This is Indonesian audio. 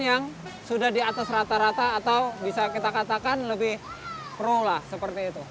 yang sudah di atas rata rata atau bisa kita katakan lebih pro lah seperti itu